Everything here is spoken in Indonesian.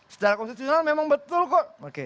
secara konstitusional memang betul kok